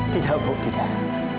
tidak bu tidak